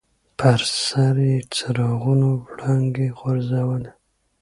پر سر یې څراغونو وړانګې غورځولې.